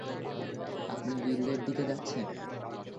আপনি গিল্ডের দিকে যাচ্ছেন?